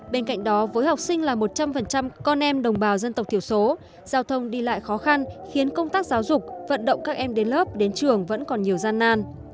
bên cạnh đó với học sinh là một trăm linh con em đồng bào dân tộc thiểu số giao thông đi lại khó khăn khiến công tác giáo dục vận động các em đến lớp đến trường vẫn còn nhiều gian nan